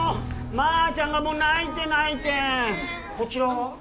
まーちゃんがもう泣いて泣いてごめんねこちらは？